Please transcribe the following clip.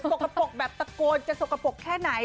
กระปกแบบตะโกนจะสกปรกแค่ไหน